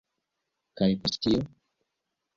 Kaj post tio?